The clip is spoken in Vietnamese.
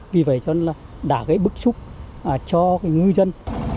vì vậy cho nên đã gây bức xúc cho ngư dân